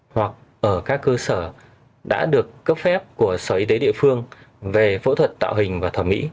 hoặc ở các cơ sở đã được cấp phép của sở y tế địa phương về phẫu thuật tạo hình và thẩm mỹ